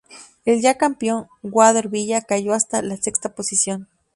El ya campeón, Walter Villa cayó hasta la sexta posición.